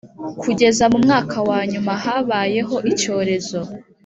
kugeza mu mwaka wanyuma habayeho icyorezo